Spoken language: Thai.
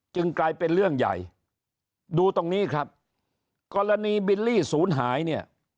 กลายเป็นเรื่องใหญ่ดูตรงนี้ครับกรณีบิลลี่ศูนย์หายเนี่ย